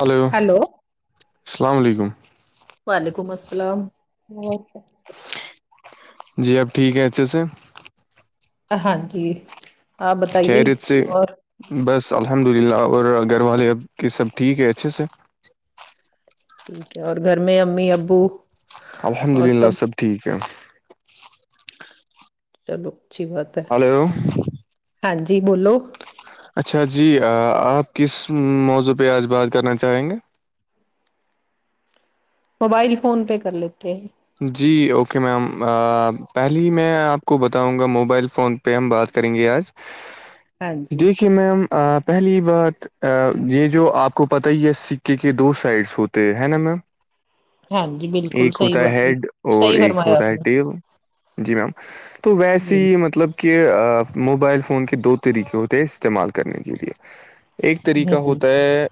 hello السلام علیکم وعلیکم السلام جی اب ٹھیک ہے اچھے سے ہاں جی آپ بتائیے خریت سے اور بس الحمد للہ اور گھر والے اب کے سب ٹھیک ہے اچھے سے ٹھیک ہے اور گھر میں امی ابو الحمد للہ سب ٹھیک ہے چلو اچھی بات ہے ہلو ہاں جی بولو اچھا جی آپ کس موضوع پہ آج بات کرنا چاہیں گے موبائل فون پے کر لیتے ہیں جی اوکے میم پہلے ہی میں آپ کو بتاؤں گا موبائل فون پہ ہم بات کریں گے آج ج ہاں جی کہ میم پہلی بات یہ جو آپ کو پتا ہی ہے سکے کے دو سائڈس ہوتے ہے نا میم ہاں جی بالکل ایک سی ہوتا ہیڈ اور ایک ہوتا ہے ٹیل جی میم تو نے ویسیے جی ہی مطلب کہ موبائل فون کے دو طریقے ہوتے استعمال کرنے کے لیے ایک طریقہ ہ ہوتا ہے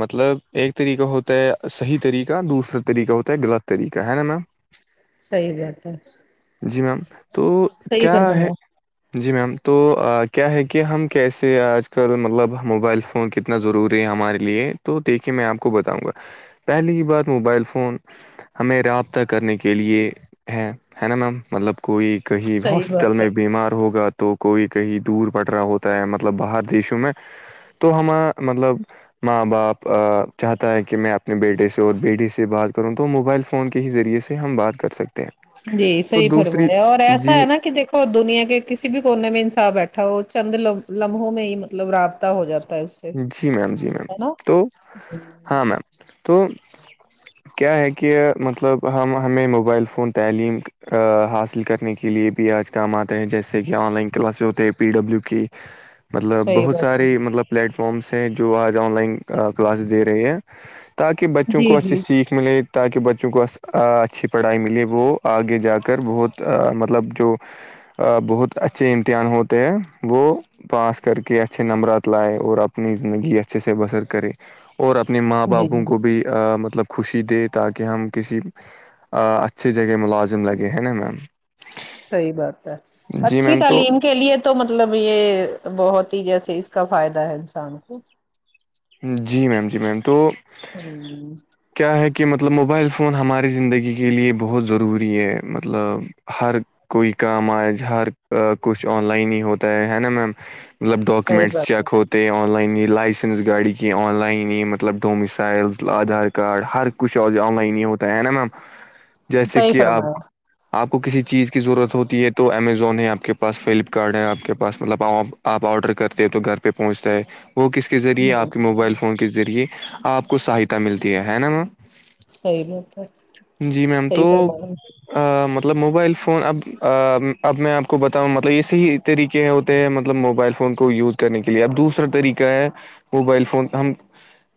مطلب ایک طریقہ ہوتا ہے صحیح طریقہ دوسرا طریقہ ہوتا ہے غلط طریقہ کہ ہے نا میم صحی بات ہے جی میم تو صحیح کیا ہے فرمایا جی میم تو کیا ہے کہ ہم کیسے آج سر مطلب موبائل فون کتنا ضروری ہے ہمارے لیے تو دیکھیے میں آپ کو بتاؤں گا پہلے کی بات موبائل فون ہمیں رابطہ کرنے کے لیے ہے ہے نا میم مطلب کوئی کہیں صحیح ہاسپٹل بات ہے میں بیمار ہوگا تو کوئی کہیں دور پڑ رہا ہوتا ہے مطلب باہر دیشوں میں تو ہم مطلب ماں باپ چاہتا ہے کہ میں اپنے بیٹے سے اور بیٹی سے بات کروں تو موبائل سے فون کے ہی ذریعے سے ہم بات کر سکتے ہیں جی تو صی دوسری فرمایا اور ایسا جی ہے ن کہ دیکھ اور دنیا کے کسی بھی کونے میں انساف بیٹھا ہو وہ چند لمحوں میں ہی مطلب رابطہ ہو جاتا ہے سے جی میم جی میم ہے نا تو ہاں صحیح میم تو کیا ہے کہ مطلب ہم ہمیں موبائل فون تعلیم حاصل کرنے کے لیے بھی آج کام آتے ہیں جیسے کہ آن لائن کلاسز ہوتے ہیں پی ڈبلیو کی [unintelligible] مطلب بہت بات ہے سارے مطلب پلیٹ فارمس ہیں جو آج آن لائن کلاسز دے رہے ہیں تاکہ بچوں جی کو اچھے جی سیکھ ملے تاکہ بچوں کو اچھی پڑھائی ملے وہ آگے جا کر بہت مطلب جو بہت اچھے امتحان ہوتے ہیں وہ پاس کر کے اچھے نمبرات لائے اور اپنی زندگی اچھے سے بسر کرے اور اپنے ماں جی جی باپوں کو بھی مطلب خوشی دے تاکہ ہم کسی اچھی جگہ ملازم لگے ہیں نا میم صحیح بات ہے جی اچھی میم تو تعلیم کے لیے تو مطلب یہ بہت ہی جیسے اس کا فائدہ ہے انسان کو جی میم جی میم تو [unintelligible] [inaudible] کیا ہے کہ مطلب موبائل فون ہمارے زندگی کے لیے بہت ضروری ہے مطلب ہر کوئی کام آج ہر کچھ آن لائن ہی ہوتا ہے ہے نا میم مطلب صحیح ڈاکومنٹس بات ہے چیک ہوتے ہیں آن لائن یہ لائسنس گاڑی کی آن لائن ہی مطلب ڈومسائلز آدھار کارڈ ہر کچھ اورج آن لائن ہی ہوتا ہے نا میم [unintelligible] جیسے صحیح کہ آپ فرمایا آپ کو کسی چیز کی ضرورت ہوتی ہے تو امیزون ہے آپ کے پاس فلپکارٹ ہے آپ کے پاس مطلب آپ آپ آرڈر کرتے ہیں تو گھر پہ پہنچتا ہے وہ کس کس آپ ہ کے موبائل فون کے ذریعے آپ کو سہایتا ملتی ہے نا م صحی نہیںتا ہے صحی تو پرمان مطلب موبائل فون اب اب میں آپ کو بتاؤں مطلب یہ صی طریقے ہوتے ہیں مطلب موبائل فون کو یوز کرنے کے لیے اب دوسرا طریقہ ہے موبائل فون ہم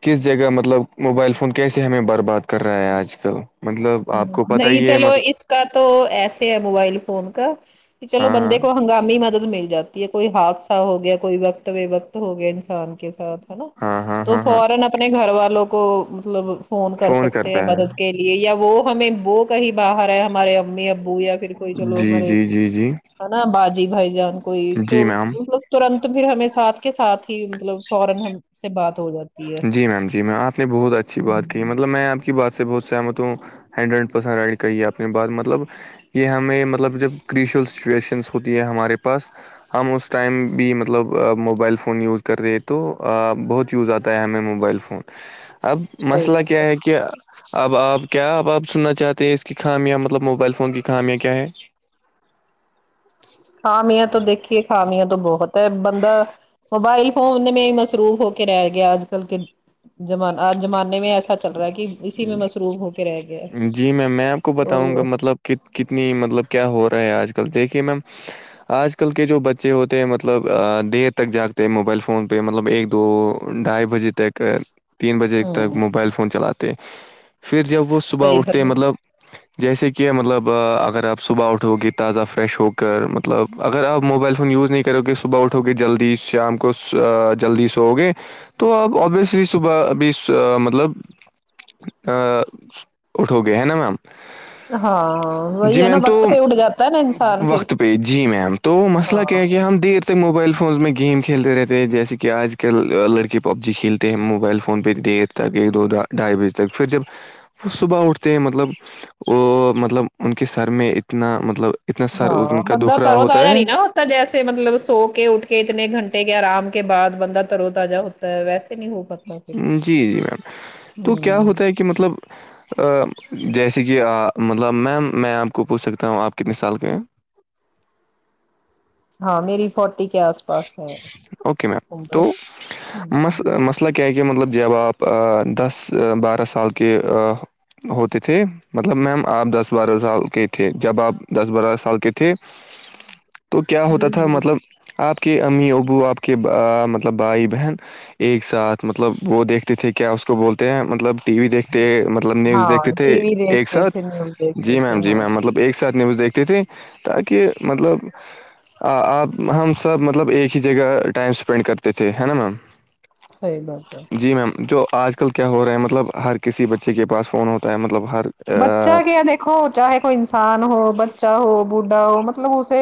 کس جگہ مطلب موبائل فون کیسے ہمیں برباد کر رہا ہے آج کل مطلب آپ ہوں، کو پتا نہیں ہی ہے چلو مطلب اس کا تو ایسے ہے موبائل فون کا کہ چلو ہاں ہاں بندے کو ہنگامی مدد مل جاتی ہے کوئی حادثہ ہو گیا کوئی وقت بے وقت ہو گئے انسان کے ساتھ نا ہاں ہاں تو ہاں ہاں فورن اپنے گھر والوں کو مطلب فون کر سکتے کرتا ہیں مدد ہے کے لیے یا وہ ہمیں وہ کہیں باہر ہے ہمارے امی ابو یا پھر کوئی چلو جی ہمارے جی جی جی ہے نا باجی بھائی جان کوئی تو جی میم مطلب ترنت پھر ہمیں ساتھ کے ساتھ ہی مطلب فورن سے بات ہو جاتی ہے جی میم جی آپ نے بہت اچھی ہ بات کی مطلب میں آپ کی بعات سے بہت سحمتوں ہنڈریڈ پرسینٹ رائڈ کریے اپنے بعد مطلب [unintelligible] یہ ہمیں مطلب جب کریشل سچویشنس ہوتی ہے ہمارے پاس ہم اس ٹائم بھی مطلب موبائل فون یوز کر رہے تو بہت یوز آتا ہمیں موبائل فون اب صحیح مسئلہ بات کیا ہے کہ اب آپ کیا اب آپ سننا چاہتے ہیں اس کی خامیاں مطلب موبائل فون کی خامیاں کیا ہے خامیا تو دیکھیے خامیا تو بہت ہے بند موبائل فون میں ہی مصروف ہو کے رہ گیا اج کل کے جمان زمانے میں ایسا چل رہا ہے کہ اسی میں مصروف ہو کے رہ گیا ہے [unintelligible] جی میم میں آپ کو تو بتاؤں گا مطلب کتنی مطلب کیا ہو رہا ہے آج کل دیکھیے میم آج کل کے جو بچے ہوتے ہیں مطلب دیر تک جاگتے ہیں موبائل فون پہ مطلب ایک دو ڈھائی بجے تیک تین بجے تک ہوں موبائل فون چلاتے پھر جب وہ صبح صحیح اٹھتے مطلب فرمایا جیسے کہ مطلب اگر آپ صبح اٹھو گی تازہ فریش ہو کر مطلب اگر آپ موبائل فون یوز نہیں کروکے صبح اٹھو گے جلدی شام کو جلدی سو گے تو آپ ابوسلی صبح ابھی مطلب [unintelligible] ا اٹھو گے ہے نا میم ہاں جی وہی ہے نا میم تو وقت پہ اٹھ جاتا ہے نا انسان پھر وقت پہ جی میم تو مسئلہ ہاں کیا ہے کہ ہم دیر تے موبائل فونز میں گیم کھیلتے رہتے ہیں جیسے کہ آج کل لڑکے پب جی کھیلتے ہیں موبائل فون پہ دھ تک ایک دو ڈھائی بجے تک پھر جب وہ صبح اٹھتے ہیں مطلب وہ مطلب ان کے سر میں اتنا مطلب اتنا سر ہاں ان کا بند دکھ رہا تروں ت آ ہوتا ہے جانی نا [unintelligible] جیسے مطلب سو کے اٹھ کے اتنے گھنٹے کے آرام کے بعد بندہ ترو تجہ ہوتا ہے ویسے نہیں ہو پاتا پھر جی جی میم تو کیا ہوں ہوتا ہے کہ مطلب [unintelligible] جیسے کہ مطلب میم میں آپ کو پوچھ سکتا ہوں آپ کتنے سال کے ہیں ہاں میری فورٹی کے آس پاس ہےر اوکے میم ہ کہ کہ مطلب جب آپ دس بارہ سال کے ہوتے تھے مطلب میم آپ دس بارہ سال کے تھے جب آپ دس بارہ سال کے تھے تو کیا ہوتا جی تھا جی مطلب آپ کے امی ابو آپ کے مطلب بھائی بہن ایک ساتھ مطلب وہ دیکھتے تھے کیا اس کو بولتے ہیں مطلب ٹی وی دیکھتےب مطلب نیوز دیکھتے ہاں ٹی تھے وی ایک دیکھتے ساتھ تھے نیوز دیکھتے جی تھے میم جی ہاں میم مطلب ایک ساتھ نیوز دیکھتے تھے تاکہ مطلب آپ ہم سب مطلب ایک ہی جگہ ٹائم اسپینڈ کرتے تھے نا میم صحیح بات ہے جی میم جو آج کل کیا ہو رہا ہے مطلب ہر کسی بچے کے پاس فون ہوتا ہے مطلب ہر بچا آ، کیا دیکھ دیکھو چاہے کوئی انسان ہو بچا ہو بوڑھا ہو مطلب اسے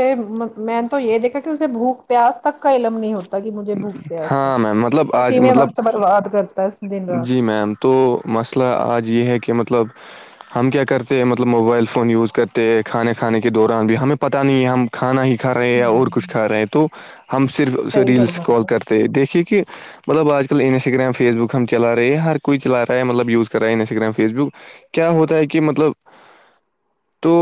میں نے تو یہ دیکھا کہ اسے بھوک پیاس تک کا علم نہیں ہوتا کہ مجھے بھوک پیاس ہے ہاں میم مطلب آج اسی میں مطلب وقت برباد کرتا ہے دن رات جی میم تو مسئلہ آج یہ ہے کہ مطلب ہم کیا کرتے ہیں مطلب موبائل فون یوز کرتے کھانے کھانے کے دوران بھی ہمیں پتہ نہیں ہے ہم کھانا ہی کھا رہے ہیں یا اور کچھ ہ کھا رہے ہیں تو ہم صرف اسے صحیح ریلس کال فرمایا کرتے ہیں دیکھیے کہ مطلب آج کل انساگرام فیس بک ہم چلا رہے ہیں ہر کوئی چلا رہا ہے مطلب یوز کر رہا ہے انسا گگرام فیس بک کیا ہوتا ہے کہ مطلب تو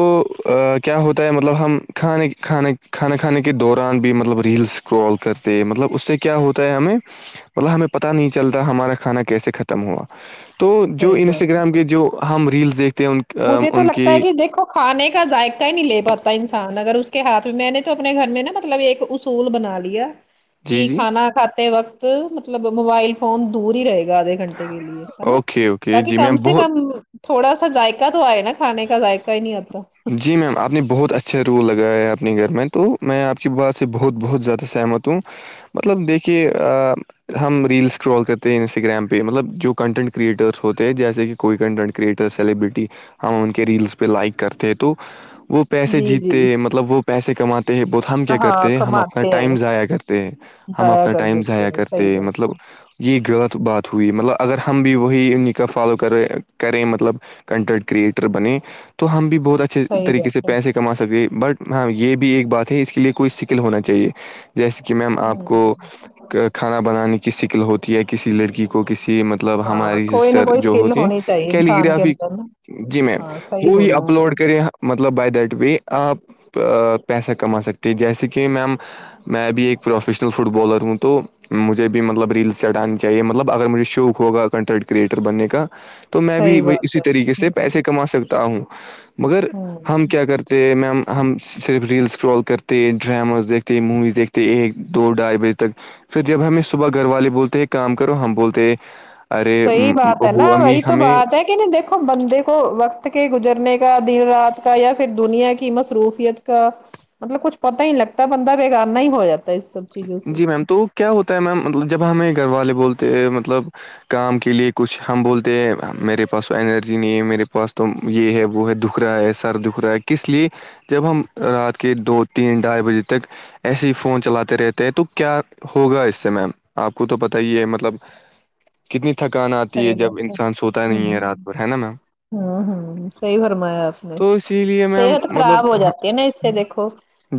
کیا ہوتا ہے مطلب ہم کھانے کھانے کھانا کھانے کے دوران بھی مطلب ریلس کرتے مطلب اس سے کیا ہوتا ہے ہمیں مطلب ہمیں پتہ نہیں چلتا ہمارا کھانا کیسے ہوا تو جو صحیح بات انسٹاگرام کے جو ہم ریلس دیکھتے ہیں ان کے مجھے تو لگتا ہے کہ دیکھو کھانے کا ذائقہ ہی نہیں لے پاتا انسان اگر اس کے ہاتھ میں نے تو اپنے گھر میں نا مطلب ایک سول بنا لییا جی کہ جی کھانا کھاتے وقت مطلب موبائل فون دور ہی رہے گا اوکے اوکے جی میم بہت [inaudible] تو ہے نا کانے کا ذائق ہی نہیں اتا جی میم آپ نے بہت اچھا رول لگایا ہے اپنے گھر میں تو میں آپ کی بات سے بہت بہت زیادہ سہمت ہوں مطلب دیکھیے آ ہم ریلس اسکرال کرتے ہیں انسٹاگررام پہ مطلب جو کنٹینٹ کریئٹرس ہوتے ہیں جیسے کہ کوئی کنٹینٹ کریٹر سیبریٹی ہم ان کے ریلس پہ لائک کرتے تو وہ پیسے جی جی جیتتے ہیں مطلب وہ پیسے کماتے ہیں بہت ہم کیا ہاں کرتے ہم اپنا کماتے ٹائم ہیں ضائع کرتے ہم ضائع اپنا کر ٹائم دیتے ضائع ہیں صحیح کرتے بات مطلب ہے یہ غلط بات ہوئی ہے مطلب اگر ہم بھی وہی ان کا فالو کرے کریں مطلب کنٹینٹ کریئٹر بنے تو ہم بھی بہت اچھا اچھے صحیح طریقے سے بات ہے پیسے کما سکے بٹ ہاں یہ بھی ایک بات ہے اس کے لیے کوئی سکل ہونا چاہیے جیسے کہ میم آپ ہوں کو کھانا بنانے کی شکل ہوتی ہے کسی لڑکی کو کسی مط مطلب ہاں ہماری کوئی نہ سسٹر کوئی جو اسکل ہوتے ہیں ہونی چاہیے انسان کے کیلیگرافی اندر نا جی میم ہاں صحیح وہی بولنا آپ اپلوڈ نے کر مطلب بائی دیٹ وے آپ پیسہ کما سکتے ہیں جیسے کہ میم میں بھی ایک پروفیشنل فٹ بالر ہوں تو مجھے بھی مطلب ریلس چٹانی چاہیے مطلب اگر مجھے شوق ہوگا کنٹینٹ کریئٹر بننے کا تو تو میں بھی صحیح وہ بات اسی ہے طریقے سے ہوں پیسے کما سکتا ہوں مگر ہوں ہم کیا کرتے تو میم ہم صرف ریلس اس کررال کرتے ڈراماز دیکھتے موویز دیکھتے ایک دو ڈھائی بجے تک پھر جب ہمیں صبح گھر والے بولتے ہیں کام کرو ہم بولتے ہیں صحی بات ہے نا وہی تو بات ہے نہیں دیکھو بندے کو وقت کے گزرنے کا دن رات کا یا پھر دنیا کی مصروفیت کا مطلب کچھ پتا ہی نہیں لگتا بند بیگاننا ہی ہواتا ہے اس سب چیزوں سے جی میم تو کیا ہوتا ہے میم جب ہمیں گھر والے بولتے ہیں مطلب کام کے لئے کچھ ہم بولتے ہیں میرے پاس تو انرجی نہیں ہے میرے پاس تو یہ ہے وہ ہے دکھ رہا ہے سر دکھ رہا ہے کس لیے جب ہم رات کے دو تین ڈھائی بجے تک ایسے ہی فون چلاتے رہتے ہیں تو کیا ہوگا اس سے میم آپ کو تو پتا ہی ہے مطلب کتنی تھکان آتی ہے صحیح جب بات انسان سوتا نہیں ہے ہوں رات ب ہے نا میم ہوں ہوں صحی فرمایا آپ نے تو اسی لیے میم صحت مطلب خراب ہو جاتی ہے نا اس سے دیکھو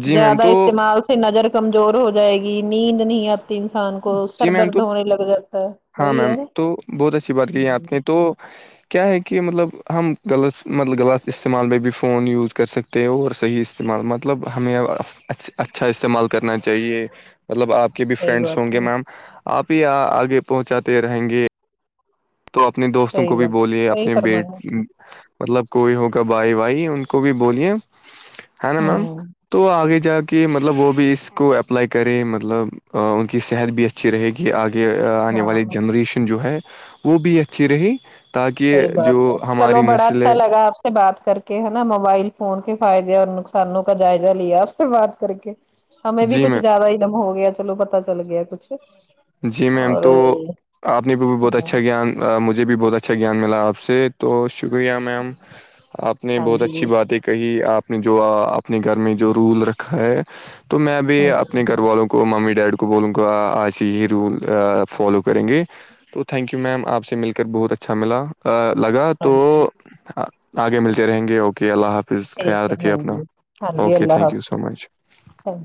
جی میم زیادہ تو استعمال سے نظر کمزور ہو جائے گی نیند نہیں ا انسان کو جی سر میم درد تو ہونے لگ جاتا ہے ہاں وہی میم ہے نا تو بہت اچھی بات کہ ہے آپ ہوں نے تو کیا ہے کہ مطلب ہم غلط مطلب غلط استعمال میں بھی فون یوز کر سکتے ہیں تھے اور صحیح استعمال مطلب ہمیں اچھا استعمال کرنا چاہیے مطلب آپ کے بھی صحیح فرینڈس بات ہوں گے ہے میم آپ ہی آگے پہنچاتے رہیں گے تو اپنے دوستوں صحیح کو بھی بات بولیے صحیح اپنے فرمایا بیٹ مطلب کوئی ہوگا بائی وائی ان کو بھی بولیے ہے نا میم ہاں تو آگے جا کے مطلب وہ بھی اس کو اپلائی کرے مطلب ا ان کی صحت بھی اچھی اچھی رہے گی آگے آنے والی ہاں جنریشن جو ہے وہ بھی اچھی رہی تاکہ صحیح بات ہے جو چلو ہماری بڑا نسل اچھا ہے لگا آپ سے اس سے بات کر کے ہے نا موبائل فون کے فائدے اور نقصانوں کا جائزہ لیا اس سے بات کر کے ہمیں بھی جی کچھ میم زیادہ ہی دم ہو گیا چلو پتا چل گیا کچھ جی میم اور تو آپ نے بھی بھی بہت اچھا گیان مجھے بھی بہت اچھا گیان ملا آپ سے تو شکریہ میم آپ نے ہاں بہت جی اچھی باتیں کہی آپ جو اپنے گھر میں جو رول رکھا ہے تو میں بھی ہ اپنے گھر والوں کو ممی ڈیڈی کو بولوں ہی رول فالو کریں گے تو تھینک یو میم آپ سے مل کر بہت اچھا ملا لگا ہاں تو جی آگے ملتے رہیں گے اوکے اللہ حافظ پس خیال ٹھیک ہے رکھیے ہاں اپنا جی okay thank you so much O